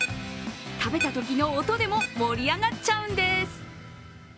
食べたときの音でも盛り上がっちゃうんです。